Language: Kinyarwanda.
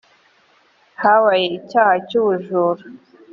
habaye icyaha cyubujura.